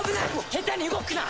下手に動くな！